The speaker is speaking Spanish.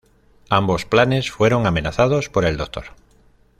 Ambos planes fueron amenazados por el Doctor.